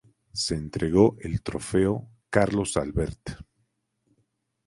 Se entregó el Trofeo Carlos Albert.